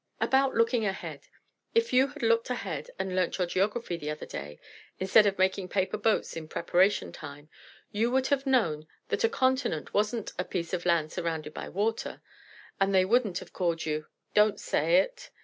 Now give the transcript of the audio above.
About looking ahead. If you had 'looked ahead' and learnt your geography the other day, instead of making paper boats in preparation time, you would have known that a continent wasn't 'a piece of land surrounded by water' and they wouldn't have called you " "Don't say it!"